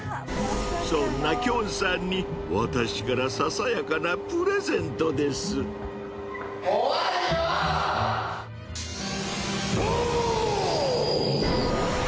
そんなきょんさんに私からささやかなプレゼントですドーン！